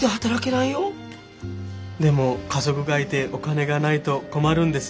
でも家族がいてお金がないと困るんです。